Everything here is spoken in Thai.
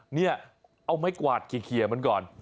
นี่เอาไม้กวาดเคียงเหมือนก่อน